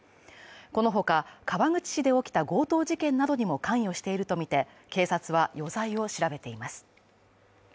このほか、川口市で起きた強盗事件などにも関与しているとみて警察は余罪を調べています。